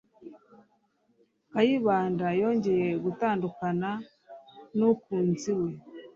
Kayibanda yongeye gutandukana nukunzi we.